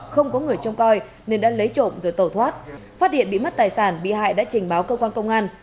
không có người trông coi nên đã lấy trộm rồi tẩu thoát phát hiện bị mất tài sản bị hại đã trình báo cơ quan công an